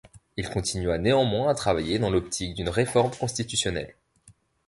Il continua néanmoins à travailler dans l'optique d'une réforme constitutionnelle.